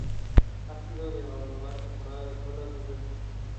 The two teams returned just one year after their relegation.